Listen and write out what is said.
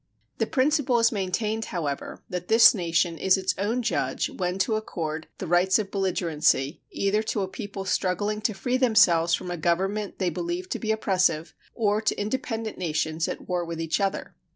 The principle is maintained, however, that this nation is its own judge when to accord the rights of belligerency, either to a people struggling to free themselves from a government they believe to be oppressive or to independent nations at war with each other.